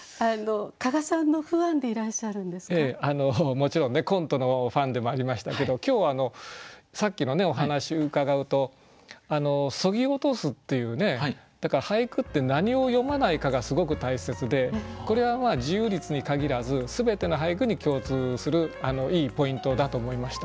もちろんねコントのファンでもありましたけど今日さっきのお話伺うとそぎ落とすっていうね俳句って何を詠まないかがすごく大切でこれは自由律に限らず全ての俳句に共通するいいポイントだと思いました。